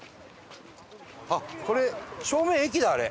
あっこれ正面駅だあれ。